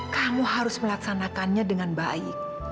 kamu harus melaksanakannya dengan baik